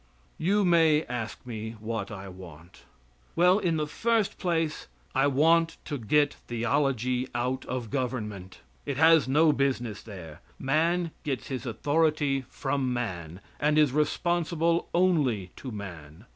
You may ask me what I want. Well, in the first place I want to get theology out of government. It has no business there. Man gets his authority from man, and is responsible only to man.